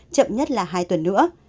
chậm nhất là hai tuần nữa